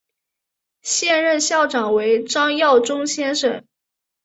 现任校长为张耀忠先生。